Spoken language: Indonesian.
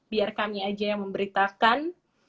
biar kami aja yang memberitakan